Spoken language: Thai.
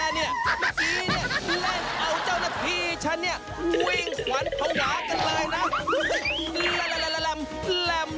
เมื่อกี้แรกเอาเจ้าหน้าที่ฉัน